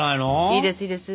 いいですいいです。